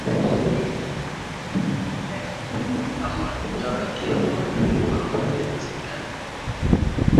Amewataka kila mmoja kuwa na matumaini na serikali iliyopo